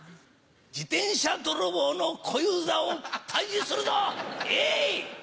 自転車泥棒の小遊三を退治するぞ。